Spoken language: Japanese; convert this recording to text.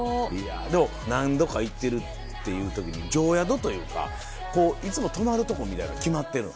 でも何度か行ってるっていうときに、常宿というか、いつも泊まる所みたいな、決まってるの？